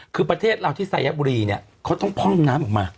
คือประเทศเราที่สายบุรีเนี่ยเขาต้องพร่องน้ำออกมา